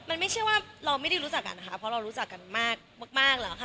มันไม่ใช่ว่าเราไม่ได้รู้จักกันนะคะเพราะเรารู้จักกันมากแล้วค่ะ